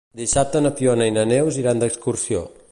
Dissabte na Fiona i na Neus iran d'excursió.